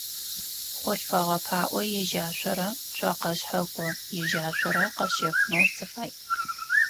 Хъулъфыгъэ паӏо ежьашъорэ цокъэ шъхьэко ежьашъорэ къэсщэфынэу сыфай.